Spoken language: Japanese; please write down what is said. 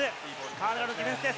河村のディフェンスです。